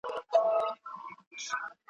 لبنیات د خېټې د کمولو لپاره ګټور دي.